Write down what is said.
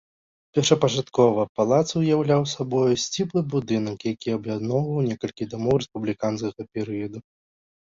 Першапачаткова палац уяўляў сабою сціплы будынак, які аб'ядноўваў некалькіх дамоў рэспубліканскага перыяду.